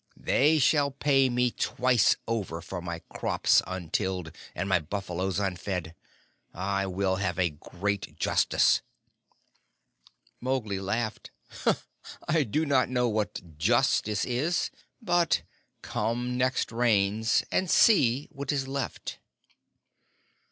They shall pay me twice over for my crops untilled and my buffaloes unfed. I will have a great justice." Mowgli laughed. "I do not know what justice is, but come next Rains and see what is left."